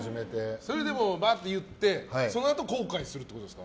それでもバーって言ってそのあと後悔するってことですか。